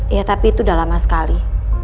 ya tapi itu udah lama sekali